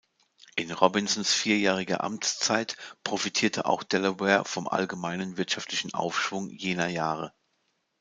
In Robinsons vierjähriger Amtszeit profitierte auch Delaware vom allgemeinen wirtschaftlichen Aufschwung jener Jahre.